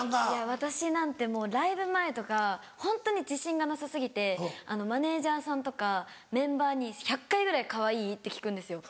私なんてもうライブ前とかホントに自信がなさ過ぎてマネジャーさんとかメンバーに１００回ぐらいかわいい？って聞くんですよ。